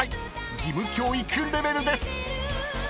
［義務教育レベルです］